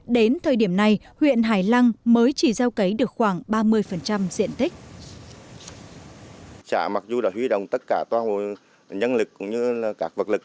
đến thời điểm này huyện hải lăng mới chỉ gieo cấy được khoảng ba mươi diện tích